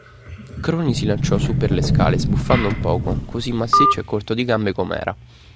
Cruni si lanciò su per le scale, sbuffando un poco, cosí massiccio e corto di gambe com’era.